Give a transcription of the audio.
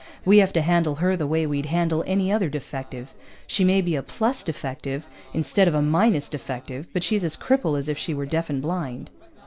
We have to handle her the way we'd handle any other defective. She may be a_ plus_ defective instead of a_ minus_ defective, but she's as crippled as if she were deaf and blind.